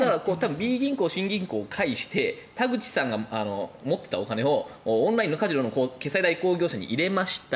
Ｂ銀行、Ｃ銀行を介して田口さんが持っていたお金をオンラインカジノの決済代行業者に入れました